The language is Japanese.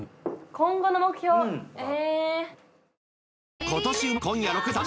今後の目標え。